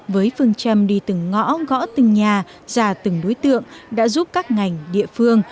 với phương châm đi từng ngõ gõ từng nhà già từng đối tượng đã giúp các ngành địa phương